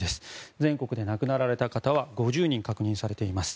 全国で亡くなられた方は５０人確認されています。